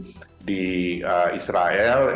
baik di jalur gaza maupun di israel